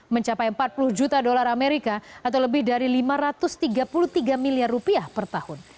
mencapai empat puluh juta dolar amerika atau lebih dari lima ratus tiga puluh tiga miliar rupiah per tahun